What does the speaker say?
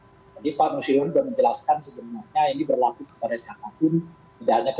jadi pak anusirwan sudah menjelaskan